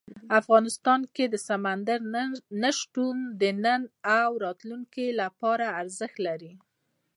افغانستان کې سمندر نه شتون د نن او راتلونکي لپاره ارزښت لري.